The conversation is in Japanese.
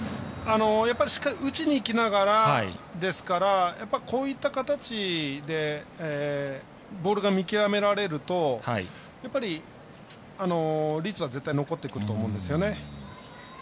しっかり打ちにいきながらですからこういった形でボールが見極められるとやっぱり率は絶対残ってくると思うんですよね。